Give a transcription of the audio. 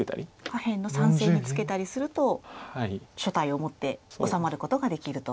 下辺の３線にツケたりすると所帯を持って治まることができると。